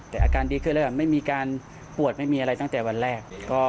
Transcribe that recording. แต่อาการดีขึ้นแล้วไม่มีการปวดไม่มีอะไรตั้งแต่วันแรก